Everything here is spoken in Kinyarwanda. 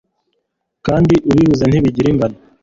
kandi ibibuze ntibigira ingano